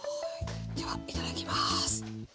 ではいただきます。